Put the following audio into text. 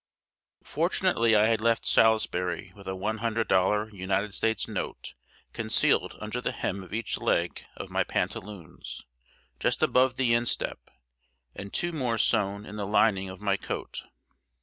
] Fortunately, I had left Salisbury with a one hundred dollar United States note concealed under the hem of each leg of my pantaloons, just above the instep, and two more sewn in the lining of my coat.